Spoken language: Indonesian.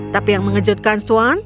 tapi yang mengejutkan swan